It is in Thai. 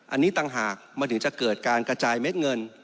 อันนี้ต่างหากมันถึงจะเกิดการกระจายเม็ดเงิน